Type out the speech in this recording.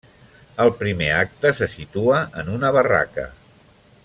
El primer acte se situa en una barraca.